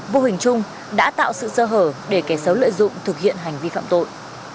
vô hình chung đã tạo sự sơ hở để kẻ xấu lợi dụng thực hiện hành vi phạm tội